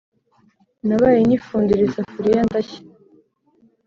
Nabaye nyifundura isafuriya ndashya